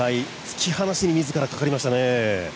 突き放しに自らかかりましたね。